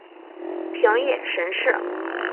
平野神社。